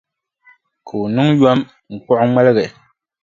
Ka o niŋ yom n-kpuɣi o ŋmaligi.